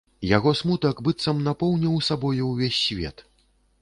Яго смутак быццам напоўніў сабою ўвесь свет.